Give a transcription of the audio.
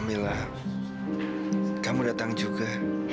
mila kamu datang juga